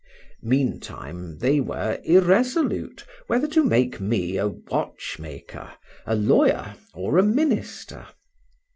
Meantime, they were irresolute, whether to make me a watchmaker, a lawyer, or a minister.